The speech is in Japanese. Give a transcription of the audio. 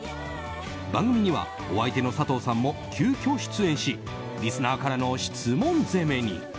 番組には、お相手の佐藤さんも急きょ出演しリスナーからの質問攻めに。